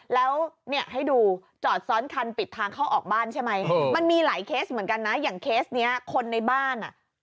แล้วเนี่ยให้ดูจอดซ้อนคันปิดทางเข้าออกบ้านใช่ไหมมันมีหลายเคสเหมือนกันนะอย่างเคสนี้คนในบ้านอ่ะ